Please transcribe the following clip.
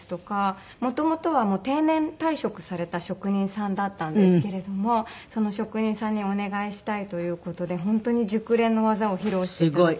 もともとは定年退職された職人さんだったんですけれどもその職人さんにお願いしたいという事で本当に熟練の技を披露していただきました。